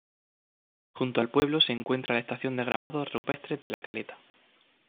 Junto al pueblo se encuentra la estación de grabados rupestres de La Caleta.